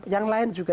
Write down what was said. yang lain juga